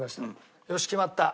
よし決まった。